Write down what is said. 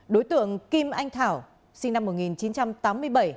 đối tượng kim anh thảo sinh năm một nghìn chín trăm tám mươi bảy